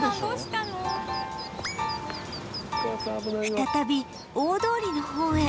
再び大通りの方へ